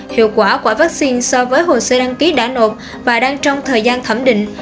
hiệu quả của vaccine so với hồ sơ đăng ký đã nộp và đang trong thời gian thẩm định